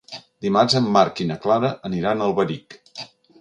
Dimarts en Marc i na Clara aniran a Alberic.